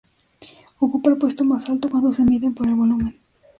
Ocupa el puesto más alto cuando se mide por el volumen.